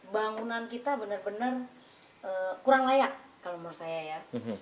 bangunan kita benar benar kurang layak kalau menurut saya ya